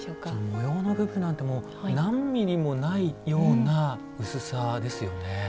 模様の部分なんて何ミリもないような薄さですよね。